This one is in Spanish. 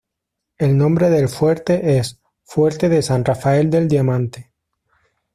El nombre del Fuerte es "Fuerte de San Rafael del Diamante".